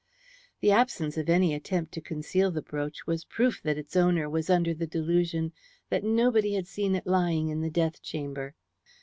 The absence of any attempt to conceal the brooch was proof that its owner was under the delusion that nobody had seen it lying in the death chamber.